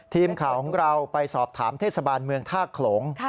ทีมข่าวของเราไปสอบถามเทศบาลเมืองท่าโขลง